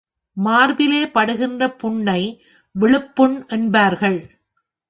மார்பிலே படுகின்ற புண்ணை விழுப்புண் என்பார்கள்.